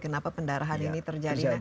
kenapa pendarahan ini terjadi